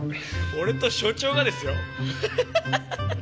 俺と所長がですよ！？